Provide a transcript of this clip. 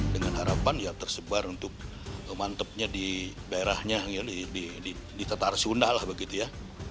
dengan harapan ya tersebar untuk mantepnya di daerahnya di tetar sunda lah begitu ya